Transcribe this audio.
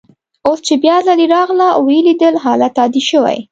اوس چي بیا ځلې راغله او ویې لیدل، حالات عادي شوي.